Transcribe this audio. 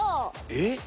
えっ？